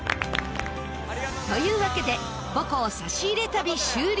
というわけで母校差し入れ旅終了